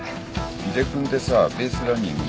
井出君ってさベースランニング何秒？